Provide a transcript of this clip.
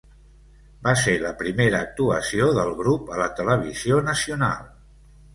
Va ser la primera actuació del grup a la televisió nacional.